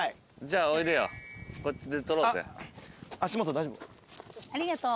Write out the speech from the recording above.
ありがとう。